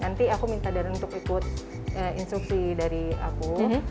nanti aku minta darah untuk ikut instruksi dari aku